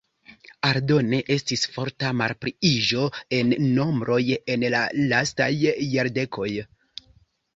Aldone estis forta malpliiĝo en nombroj en la lastaj jardekoj.